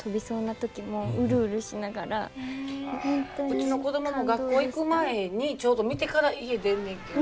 うちの子供も学校行く前にちょうど見てから家出んねんけど